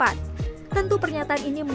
ada yang mengkritik karena dinilai tidak etis